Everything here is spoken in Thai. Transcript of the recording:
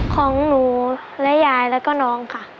ของหนูและยายแล้วก็น้องค่ะ